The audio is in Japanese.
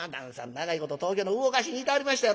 長いこと東京の魚河岸にいてはりましたやろ？